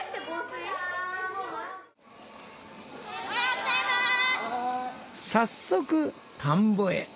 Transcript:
早速田んぼへ。